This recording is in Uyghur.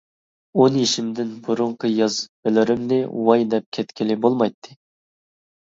ئون يېشىمدىن بۇرۇنقى يازمىلىرىمنى ۋاي دەپ كەتكىلى بولمايتتى.